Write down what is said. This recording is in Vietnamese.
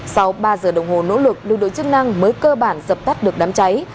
sau ba giờ đồng hồ nỗ lực lưu đội chức năng mới cơ bản dập tắt được đám cháy